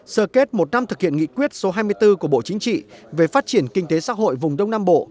sở kết một năm thực hiện nghị quyết số hai mươi bốn của bộ chính trị về phát triển kinh tế xã hội vùng đông nam bộ